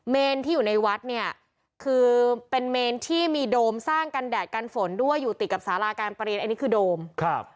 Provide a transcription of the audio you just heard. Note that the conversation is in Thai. เนรที่อยู่ในวัดเนี่ยคือเป็นเมนที่มีโดมสร้างกันแดดกันฝนด้วยอยู่ติดกับสาราการประเรียนอันนี้คือโดมครับ